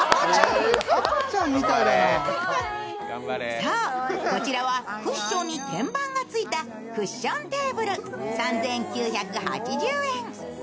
そう、こちらはクッションに天板がついたクッションテーブル３９８０円。